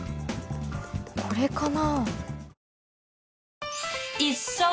これかな。